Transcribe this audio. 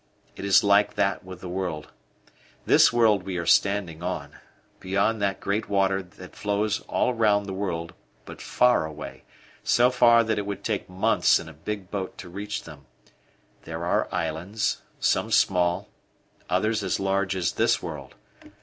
"It is like that with the world this world we are standing on. Beyond that great water that flows all round the world, but far away, so far that it would take months in a big boat to reach them, there are islands, some small, others as large as this world.